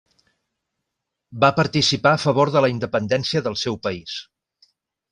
Va participar a favor de la independència del seu país.